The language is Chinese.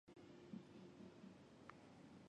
广岛藩是日本江户时代的一个藩领。